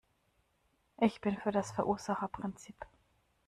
Ich bin für das Verursacherprinzip.